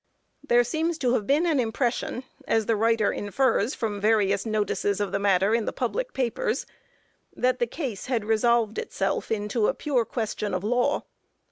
There seems to have been an impression, as the writer infers from various notices of the matter in the public papers, that the case had resolved itself into a pure question of law.